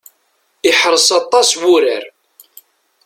Iḥreṣ aṭas wurar.